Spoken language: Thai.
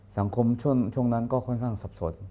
สังคมช่วงนั้นก็ค่อนข้างสับสน